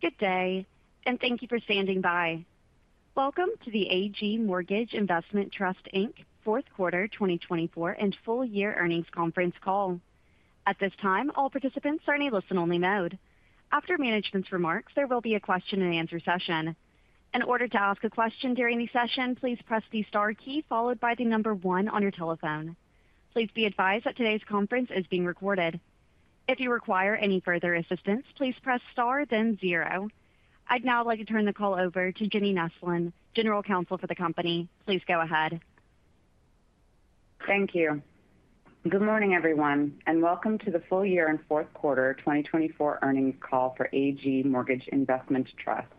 Good day, and thank you for standing by. Welcome to the AG Mortgage Investment Trust Fourth Quarter 2024 and Full Year Earnings Conference call. At this time, all participants are in a listen-only mode. After management's remarks, there will be a question-and-answer session. In order to ask a question during the session, please press the star key followed by the number one on your telephone. Please be advised that today's conference is being recorded. If you require any further assistance, please press star, then zero. I'd now like to turn the call over to Jenny Neslin, General Counsel for the company. Please go ahead. Thank you. Good morning, everyone, and welcome to the Full Year and Fourth Quarter 2024 earnings call for AG Mortgage Investment Trust.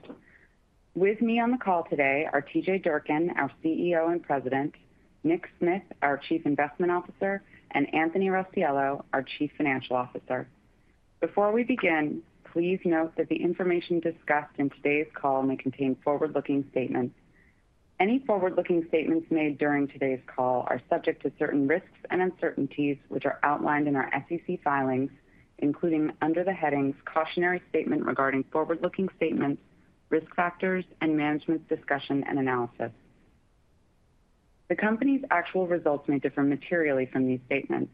With me on the call today are T.J. Durkin, our CEO and President, Nick Smith, our Chief Investment Officer, and Anthony Rossiello, our Chief Financial Officer. Before we begin, please note that the information discussed in today's call may contain forward-looking statements. Any forward-looking statements made during today's call are subject to certain risks and uncertainties, which are outlined in our SEC filings, including under the headings "Cautionary Statement Regarding Forward-Looking Statements," "Risk Factors," and "Management's Discussion and Analysis." The company's actual results may differ materially from these statements.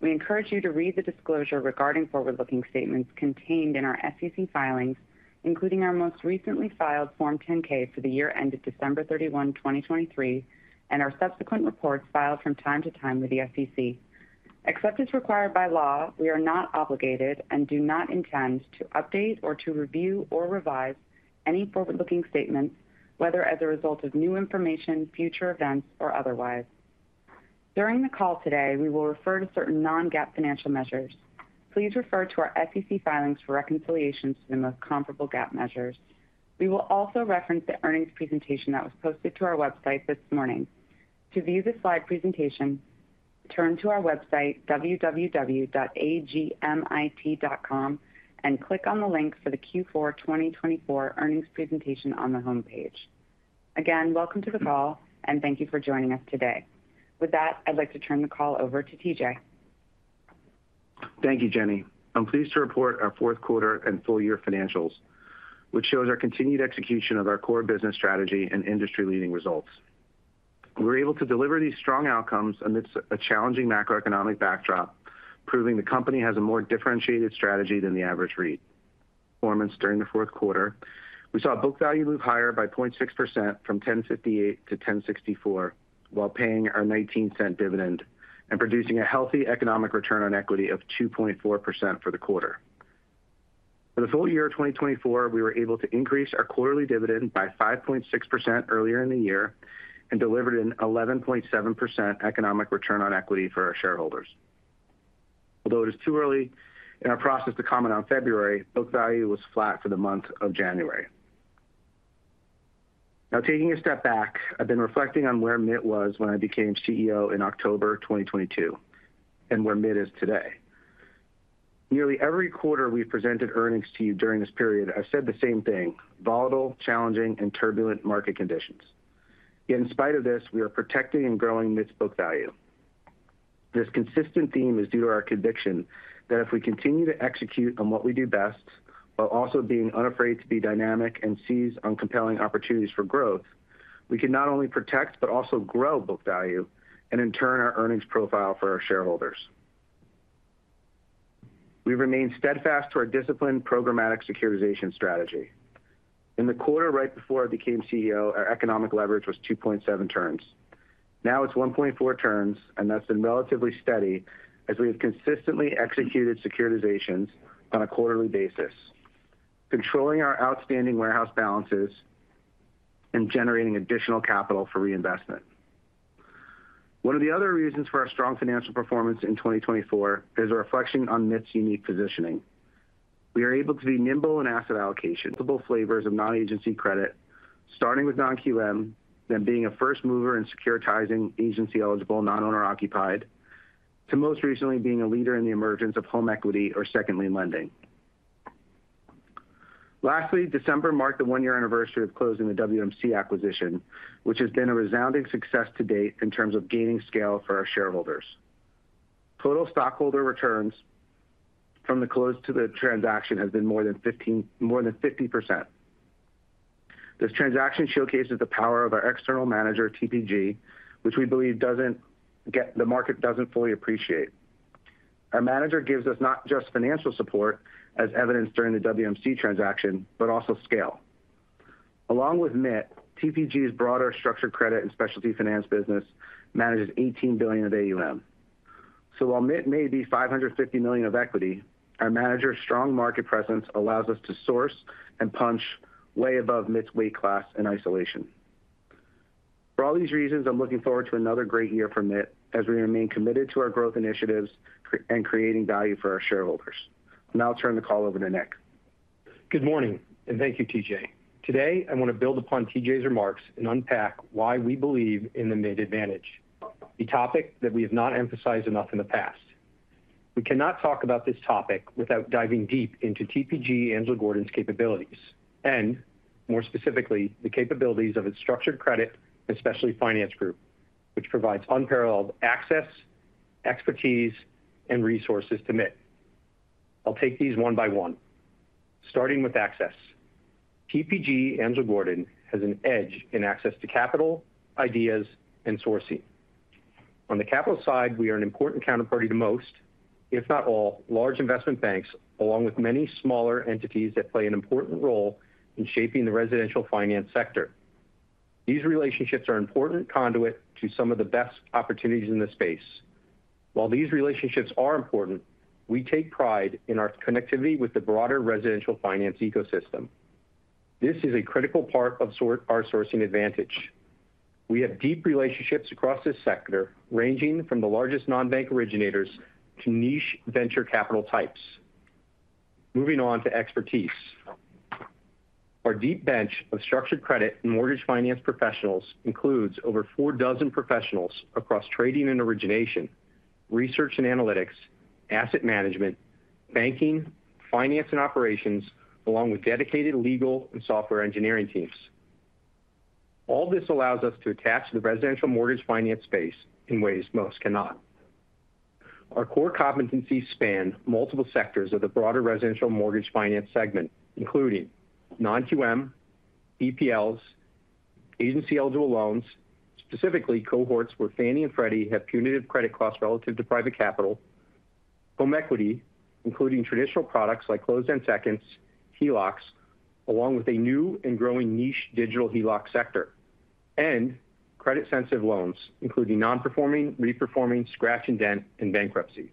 We encourage you to read the disclosure regarding forward-looking statements contained in our SEC filings, including our most recently filed Form 10-K for the year ended December 31, 2023, and our subsequent reports filed from time to time with the SEC. Except as required by law, we are not obligated and do not intend to update or to review or revise any forward-looking statements, whether as a result of new information, future events, or otherwise. During the call today, we will refer to certain non-GAAP financial measures. Please refer to our SEC filings for reconciliations to the most comparable GAAP measures. We will also reference the earnings presentation that was posted to our website this morning. To view the slide presentation, turn to our website, www.agmit.com, and click on the link for the Q4 2024 earnings presentation on the homepage. Again, welcome to the call, and thank you for joining us today. With that, I'd like to turn the call over to T.J. Thank you, Jenny. I'm pleased to report our fourth quarter and full year financials, which shows our continued execution of our core business strategy and industry-leading results. We were able to deliver these strong outcomes amidst a challenging macroeconomic backdrop, proving the company has a more differentiated strategy than the average REIT. Performance during the fourth quarter, we saw book value move higher by 0.6% from $10.58 to $10.64, while paying our $0.19 dividend and producing a healthy economic return on equity of 2.4% for the quarter. For the full year of 2024, we were able to increase our quarterly dividend by 5.6% earlier in the year and delivered an 11.7% economic return on equity for our shareholders. Although it is too early in our process to comment on February, book value was flat for the month of January. Now, taking a step back, I've been reflecting on where MITT was when I became CEO in October 2022 and where MITT is today. Nearly every quarter we've presented earnings to you during this period, I've said the same thing: volatile, challenging, and turbulent market conditions. Yet, in spite of this, we are protecting and growing MITT's book value. This consistent theme is due to our conviction that if we continue to execute on what we do best while also being unafraid to be dynamic and seize on compelling opportunities for growth, we can not only protect but also grow book value and, in turn, our earnings profile for our shareholders. We remain steadfast to our disciplined programmatic securitization strategy. In the quarter right before I became CEO, our economic leverage was 2.7 turns. Now it's 1.4 turns, and that's been relatively steady as we have consistently executed securitizations on a quarterly basis, controlling our outstanding warehouse balances and generating additional capital for reinvestment. One of the other reasons for our strong financial performance in 2024 is a reflection on MITT's unique positioning. We are able to be nimble in asset allocation: multiple flavors of non-agency credit, starting with non-QM, then being a first mover in securitizing agency-eligible, non-owner-occupied, to most recently being a leader in the emergence of home equity or second-lien lending. Lastly, December marked the one-year anniversary of closing the WMC acquisition, which has been a resounding success to date in terms of gaining scale for our shareholders. Total stockholder returns from the close to the transaction have been more than 50%. This transaction showcases the power of our external manager, TPG, which we believe the market doesn't fully appreciate. Our manager gives us not just financial support, as evidenced during the WMC transaction, but also scale. Along with MITT, TPG's broader structured credit and specialty finance business manages $18 billion of AUM. While MITT may be $550 million of equity, our manager's strong market presence allows us to source and punch way above MITT's weight class in isolation. For all these reasons, I'm looking forward to another great year for MITT as we remain committed to our growth initiatives and creating value for our shareholders. I'll now turn the call over to Nick. Good morning, and thank you, T.J. Today, I want to build upon T.J.'s remarks and unpack why we believe in the MITT advantage, a topic that we have not emphasized enough in the past. We cannot talk about this topic without diving deep into TPG Angelo Gordon's capabilities, and more specifically, the capabilities of its structured credit, especially Finance Group, which provides unparalleled access, expertise, and resources to MITT. I'll take these one by one, starting with access. TPG Angelo Gordon has an edge in access to capital, ideas, and sourcing. On the capital side, we are an important counterparty to most, if not all, large investment banks, along with many smaller entities that play an important role in shaping the residential finance sector. These relationships are an important conduit to some of the best opportunities in the space. While these relationships are important, we take pride in our connectivity with the broader residential finance ecosystem. This is a critical part of our sourcing advantage. We have deep relationships across this sector, ranging from the largest non-bank originators to niche venture capital types. Moving on to expertise, our deep bench of structured credit and mortgage finance professionals includes over four dozen professionals across trading and origination, research and analytics, asset management, banking, finance, and operations, along with dedicated legal and software engineering teams. All this allows us to attach to the residential mortgage finance space in ways most cannot. Our core competencies span multiple sectors of the broader residential mortgage finance segment, including non-QM, EPLs, agency-eligible loans, specifically cohorts where Fannie and Freddie have punitive credit costs relative to private capital, home equity, including traditional products like closed-end seconds, HELOCs, along with a new and growing niche digital HELOC sector, and credit-sensitive loans, including non-performing, re-performing, scratch-and-dent, and bankruptcy.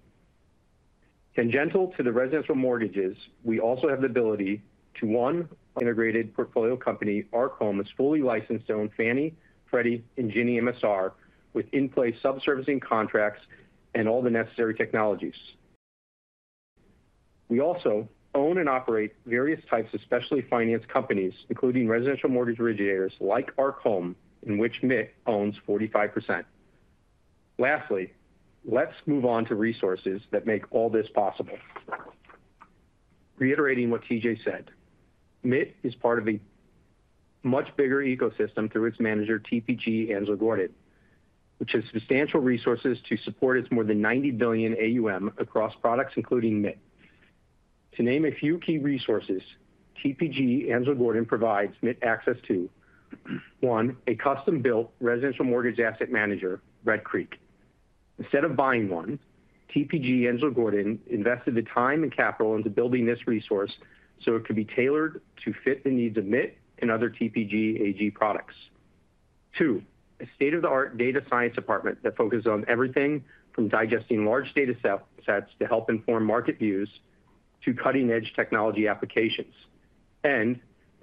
Tangential to the residential mortgages, we also have the ability to integrate a portfolio company, Arc Home, as fully licensed to own Fannie, Freddie, and Ginnie MSR, with in-place sub-servicing contracts and all the necessary technologies. We also own and operate various types of specialty finance companies, including residential mortgage originators like Arc Home, in which MITT owns 45%. Lastly, let's move on to resources that make all this possible. Reiterating what T.J. said, MITT is part of a much bigger ecosystem through its manager, TPG Angelo Gordon, which has substantial resources to support its more than $90 billion AUM across products, including MITT. To name a few key resources, TPG Angelo Gordon provides MITT access to: one, a custom-built residential mortgage asset manager, Red Creek. Instead of buying one, TPG Angelo Gordon invested the time and capital into building this resource so it could be tailored to fit the needs of MITT and other TPG Angelo Gordon products; two, a state-of-the-art data science department that focuses on everything from digesting large data sets to help inform market views to cutting-edge technology applications; and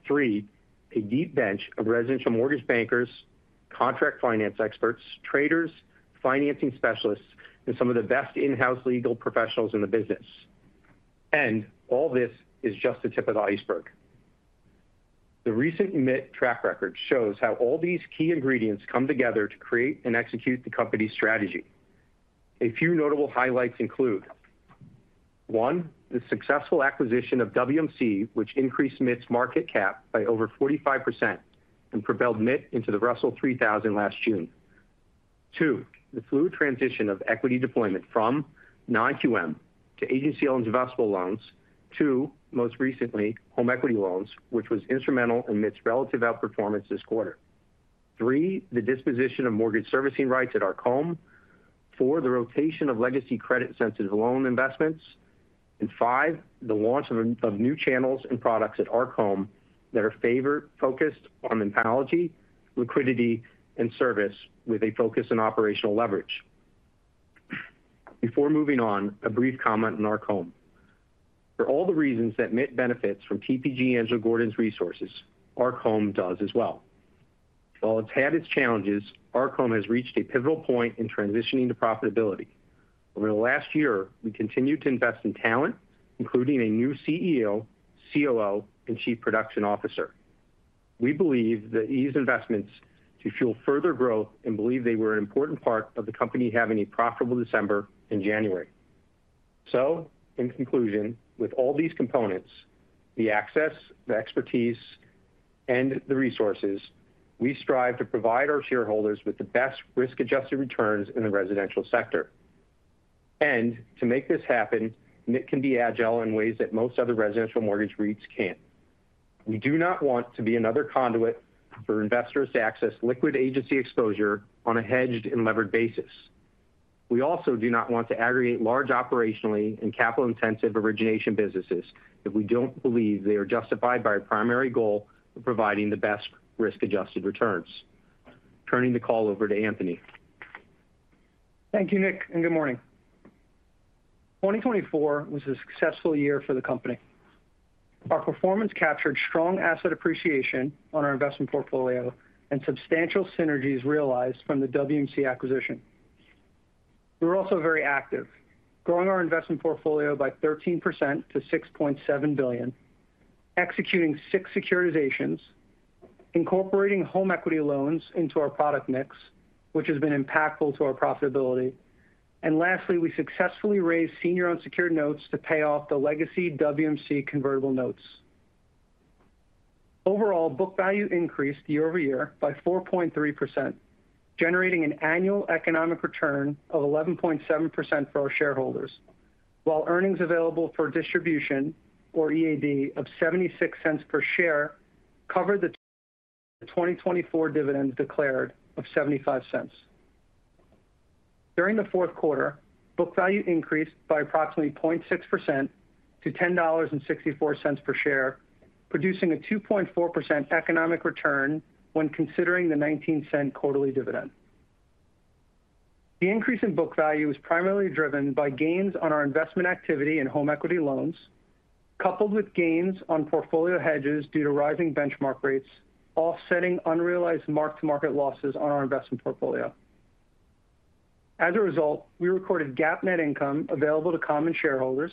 three, a deep bench of residential mortgage bankers, contract finance experts, traders, financing specialists, and some of the best in-house legal professionals in the business. All this is just the tip of the iceberg. The recent MITT track record shows how all these key ingredients come together to create and execute the company's strategy. A few notable highlights include: one, the successful acquisition of WMC, which increased MITT's market cap by over 45% and propelled MITT into the Russell 3000 last June. Two, the fluid transition of equity deployment from non-QM to agency-eligible investor loans. Two, most recently, home equity loans, which was instrumental in MITT's relative outperformance this quarter. Three, the disposition of mortgage servicing rights at Arc Home. Four, the rotation of legacy credit-sensitive loan investments. Five, the launch of new channels and products at Arc Home that are focused on the technology, liquidity, and service with a focus on operational leverage. Before moving on, a brief comment on Arc Home. For all the reasons that MITT benefits from TPG Angelo Gordon's resources, Arc Home does as well. While it's had its challenges, Arc Home has reached a pivotal point in transitioning to profitability. Over the last year, we continued to invest in talent, including a new CEO, COO, and Chief Production Officer. We believe that these investments fuel further growth and believe they were an important part of the company having a profitable December and January. In conclusion, with all these components, the access, the expertise, and the resources, we strive to provide our shareholders with the best risk-adjusted returns in the residential sector. To make this happen, MITT can be agile in ways that most other residential mortgage REITs can't. We do not want to be another conduit for investors to access liquid agency exposure on a hedged and levered basis. We also do not want to aggregate large operationally and capital-intensive origination businesses if we don't believe they are justified by a primary goal of providing the best risk-adjusted returns. Turning the call over to Anthony. Thank you, Nick, and good morning. 2024 was a successful year for the company. Our performance captured strong asset appreciation on our investment portfolio and substantial synergies realized from the WMC acquisition. We were also very active, growing our investment portfolio by 13% to $6.7 billion, executing six securitizations, incorporating home equity loans into our product mix, which has been impactful to our profitability. Lastly, we successfully raised senior unsecured notes to pay off the legacy WMC convertible notes. Overall, book value increased year over year by 4.3%, generating an annual economic return of 11.7% for our shareholders, while earnings available for distribution, or EAD, of $0.76 per share covered the 2024 dividend declared of $0.75. During the fourth quarter, book value increased by approximately 0.6% to $10.64 per share, producing a 2.4% economic return when considering the $0.19 quarterly dividend. The increase in book value is primarily driven by gains on our investment activity in home equity loans, coupled with gains on portfolio hedges due to rising benchmark rates, offsetting unrealized mark-to-market losses on our investment portfolio. As a result, we recorded GAAP net income available to common shareholders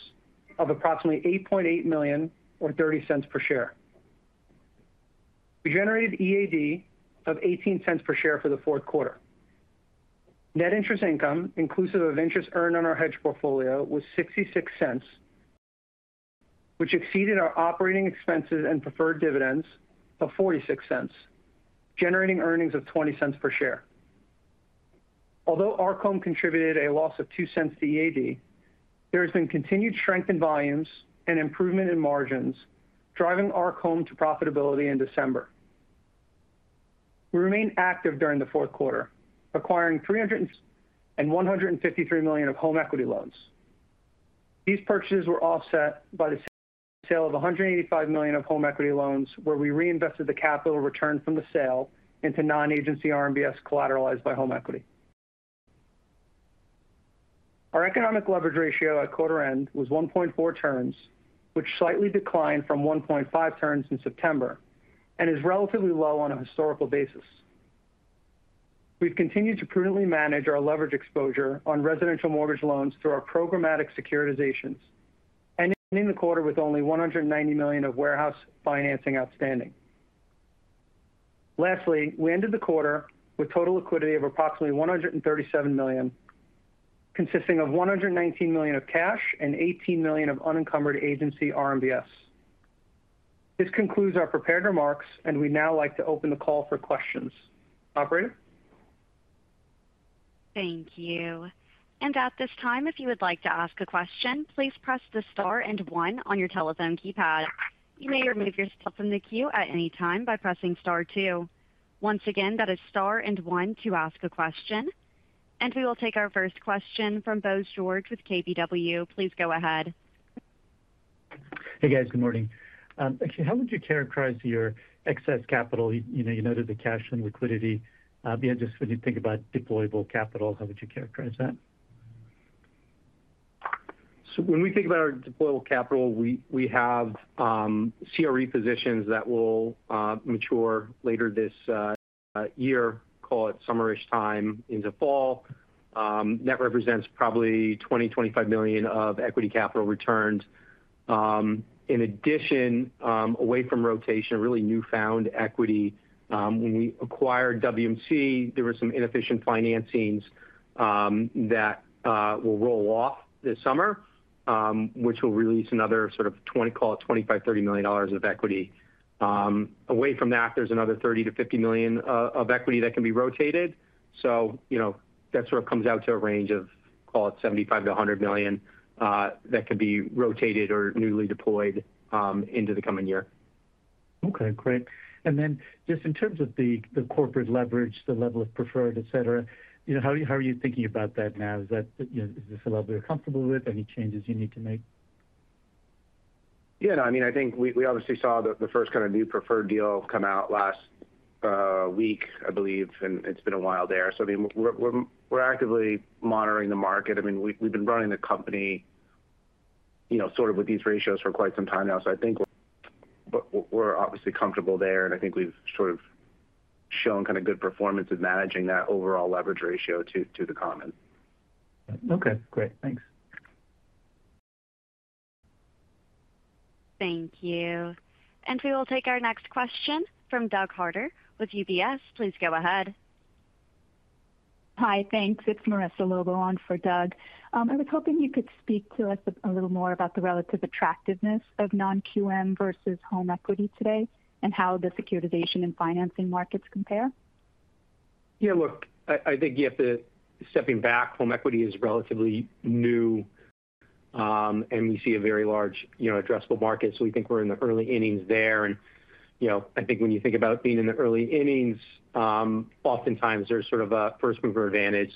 of approximately $8.8 million, or $0.30 per share. We generated EAD of $0.18 per share for the fourth quarter. Net interest income, inclusive of interest earned on our hedge portfolio, was $0.66, which exceeded our operating expenses and preferred dividends of $0.46, generating earnings of $0.20 per share. Although Arc Home contributed a loss of $0.02 to EAD, there has been continued strength in volumes and improvement in margins, driving Arc Home to profitability in December. We remained active during the fourth quarter, acquiring $300 million and $153 million of home equity loans. These purchases were offset by the sale of $185 million of home equity loans, where we reinvested the capital returned from the sale into non-agency RMBS collateralized by home equity. Our economic leverage ratio at quarter end was 1.4 turns, which slightly declined from 1.5 turns in September and is relatively low on a historical basis. We've continued to prudently manage our leverage exposure on residential mortgage loans through our programmatic securitizations, ending the quarter with only $190 million of warehouse financing outstanding. Lastly, we ended the quarter with total liquidity of approximately $137 million, consisting of $119 million of cash and $18 million of unencumbered agency RMBS. This concludes our prepared remarks, and we'd now like to open the call for questions. Operator? Thank you. At this time, if you would like to ask a question, please press the star and one on your telephone keypad. You may remove yourself from the queue at any time by pressing star two. Once again, that is star and one to ask a question. We will take our first question from Bose George with KBW. Please go ahead. Hey, guys. Good morning. Actually, how would you characterize your excess capital? You noted the cash and liquidity. Just when you think about deployable capital, how would you characterize that? When we think about our deployable capital, we have CRE positions that will mature later this year, call it summer-ish time into fall. That represents probably $20-$25 million of equity capital returns. In addition, away from rotation, a really newfound equity, when we acquired WMC, there were some inefficient financings that will roll off this summer, which will release another sort of, call it $25-$30 million of equity. Away from that, there's another $30-$50 million of equity that can be rotated. That sort of comes out to a range of, call it $75-$100 million that could be rotated or newly deployed into the coming year. Okay. Great. Just in terms of the corporate leverage, the level of preferred, etc., how are you thinking about that now? Is this a level you're comfortable with? Any changes you need to make? Yeah. No, I mean, I think we obviously saw the first kind of new preferred deal come out last week, I believe, and it's been a while there. I mean, we're actively monitoring the market. I mean, we've been running the company sort of with these ratios for quite some time now. I think we're obviously comfortable there, and I think we've sort of shown kind of good performance in managing that overall leverage ratio to the common. Okay. Great. Thanks. Thank you. We will take our next question from Doug Harter with UBS. Please go ahead. Hi. Thanks. It's Marissa Lobo on for Doug. I was hoping you could speak to us a little more about the relative attractiveness of non-QM versus home equity today and how the securitization and financing markets compare. Yeah. Look, I think you have to step back. Home equity is relatively new, and we see a very large addressable market. We think we're in the early innings there. I think when you think about being in the early innings, oftentimes there's sort of a first-mover advantage.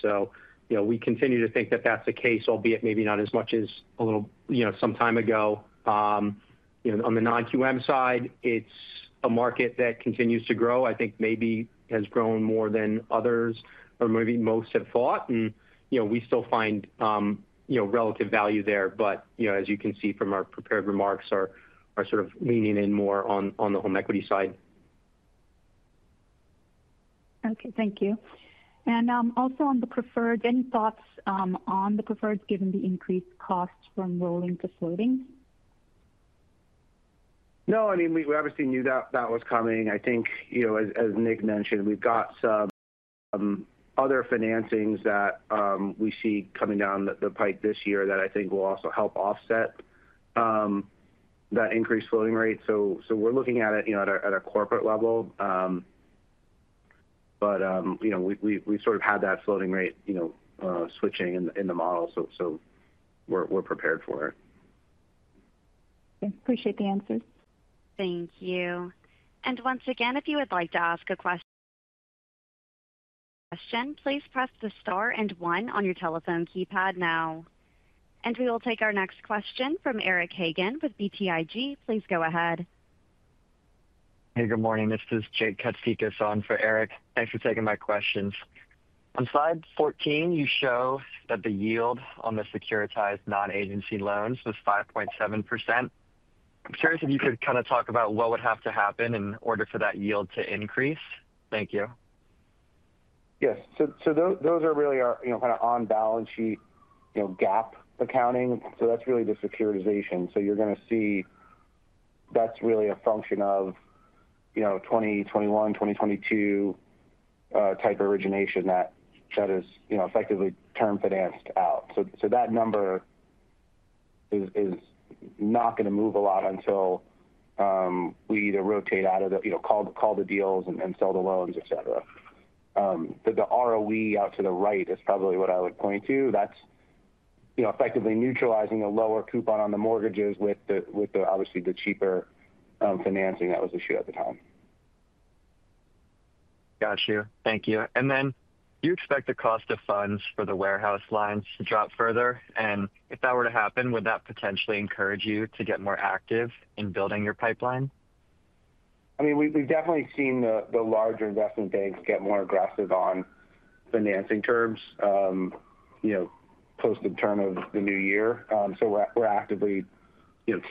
We continue to think that that's the case, albeit maybe not as much as a little some time ago. On the non-QM side, it's a market that continues to grow. I think maybe has grown more than others or maybe most have thought. We still find relative value there. As you can see from our prepared remarks, we are sort of leaning in more on the home equity side. Okay. Thank you. Also on the preferred, any thoughts on the preferred given the increased cost from rolling to floating? No. I mean, we obviously knew that that was coming. I think, as Nick mentioned, we've got some other financings that we see coming down the pike this year that I think will also help offset that increased floating rate. We are looking at it at a corporate level. We have sort of had that floating rate switching in the model. We are prepared for it. Thanks. Appreciate the answers. Thank you. Once again, if you would like to ask a question, please press the star and one on your telephone keypad now. We will take our next question from Eric Hagan with BTIG. Please go ahead. Hey, good morning. This is Jake Katsikas on for Eric. Thanks for taking my questions. On slide 14, you show that the yield on the securitized non-agency loans was 5.7%. I'm curious if you could kind of talk about what would have to happen in order for that yield to increase. Thank you. Yes. So those are really our kind of on-balance sheet GAAP accounting. So that's really the securitization. So you're going to see that's really a function of 2021, 2022 type origination that is effectively term-financed out. So that number is not going to move a lot until we either rotate out of the call the deals and sell the loans, etc. But the ROE out to the right is probably what I would point to. That's effectively neutralizing a lower coupon on the mortgages with obviously the cheaper financing that was issued at the time. Gotcha. Thank you. Do you expect the cost of funds for the warehouse lines to drop further? If that were to happen, would that potentially encourage you to get more active in building your pipeline? I mean, we've definitely seen the larger investment banks get more aggressive on financing terms post the turn of the new year. We're actively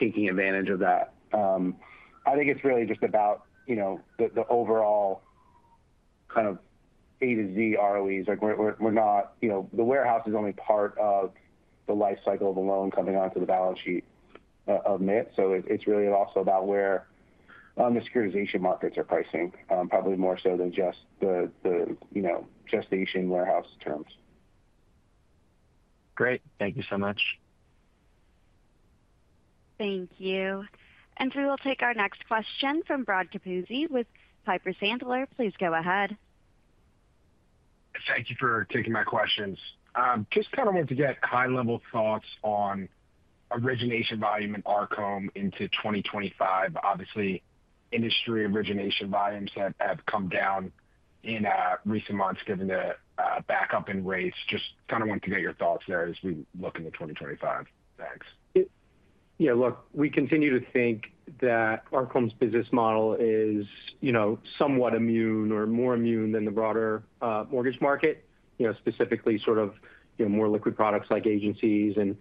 taking advantage of that. I think it's really just about the overall kind of A to Z ROEs. The warehouse is only part of the life cycle of the loan coming onto the balance sheet of MITT. It's really also about where the securitization markets are pricing, probably more so than just the gestation warehouse terms. Great. Thank you so much. Thank you. We will take our next question from Brad Capuzzi with Piper Sandler. Please go ahead. Thank you for taking my questions. Just kind of wanted to get high-level thoughts on origination volume in Arc Home into 2025. Obviously, industry origination volumes have come down in recent months given the backup in rates. Just kind of wanted to get your thoughts there as we look into 2025. Thanks. Yeah. Look, we continue to think that Arc Home's business model is somewhat immune or more immune than the broader mortgage market, specifically sort of more liquid products like agencies and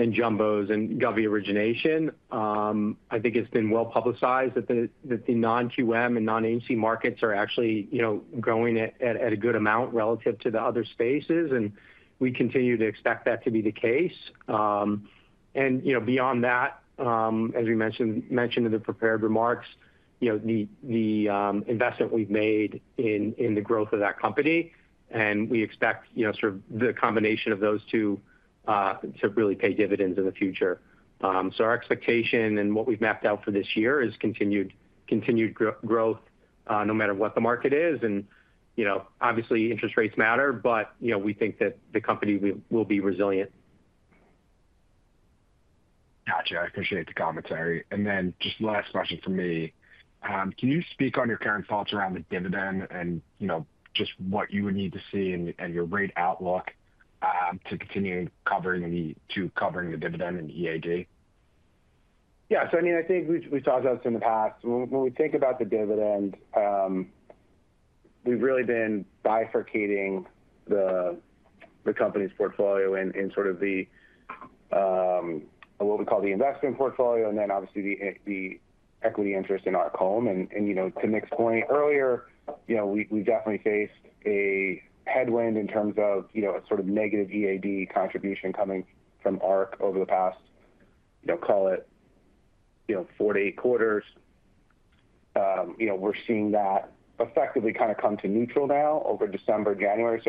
jumbos and Govvy origination. I think it's been well publicized that the non-QM and non-AG markets are actually growing at a good amount relative to the other spaces. We continue to expect that to be the case. Beyond that, as we mentioned in the prepared remarks, the investment we've made in the growth of that company. We expect sort of the combination of those two to really pay dividends in the future. Our expectation and what we've mapped out for this year is continued growth no matter what the market is. Obviously, interest rates matter, but we think that the company will be resilient. Gotcha. I appreciate the commentary. Just last question for me. Can you speak on your current thoughts around the dividend and just what you would need to see and your rate outlook to continue covering the dividend and EAD? Yeah. I mean, I think we've talked about this in the past. When we think about the dividend, we've really been bifurcating the company's portfolio in sort of what we call the investment portfolio and then obviously the equity interest in Arc Home. To Nick's point earlier, we've definitely faced a headwind in terms of a sort of negative EAD contribution coming from Arc over the past, call it, four to eight quarters. We're seeing that effectively kind of come to neutral now over December, January.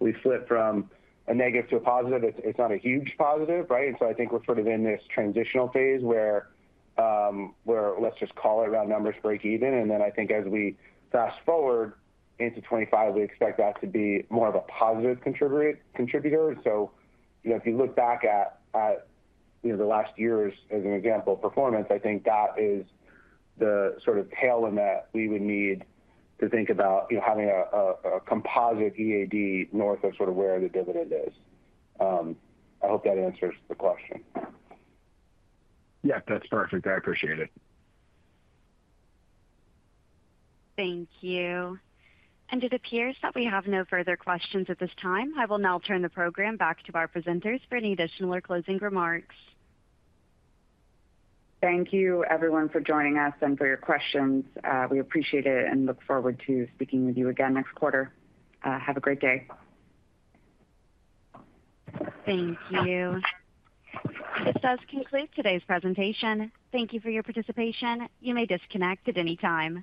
We flip from a negative to a positive. It's not a huge positive, right? I think we're sort of in this transitional phase where let's just call it round numbers break even. I think as we fast forward into 2025, we expect that to be more of a positive contributor. If you look back at the last year's, as an example, performance, I think that is the sort of tailwind that we would need to think about having a composite EAD north of sort of where the dividend is. I hope that answers the question. Yeah. That's perfect. I appreciate it. Thank you. It appears that we have no further questions at this time. I will now turn the program back to our presenters for any additional or closing remarks. Thank you, everyone, for joining us and for your questions. We appreciate it and look forward to speaking with you again next quarter. Have a great day. Thank you. This does conclude today's presentation. Thank you for your participation. You may disconnect at any time.